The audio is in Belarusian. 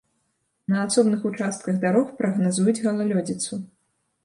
На асобных участках дарог прагназуюць галалёдзіцу.